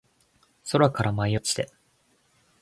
空から舞い落ちて